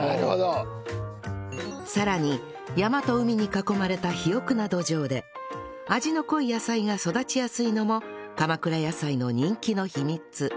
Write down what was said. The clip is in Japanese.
さらに山と海に囲まれた肥沃な土壌で味の濃い野菜が育ちやすいのも鎌倉野菜の人気の秘密